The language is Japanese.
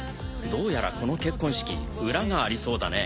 どうやらこの結婚式裏がありそうだね。